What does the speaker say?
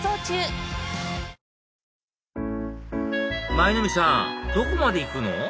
舞の海さんどこまで行くの？